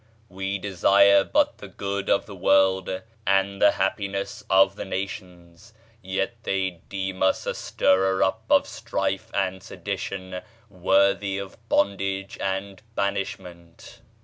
We desire but the good of the world and the happiness of the nations; yet they deem us a stirrer up of strife and sedition worthy of bondage and banishment....